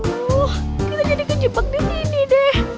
aduh kita jadi kejebak disini deh